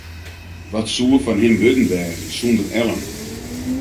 Wat soe fan him wurden wêze sonder Ellen?